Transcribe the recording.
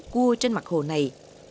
cua trên mặt hồ này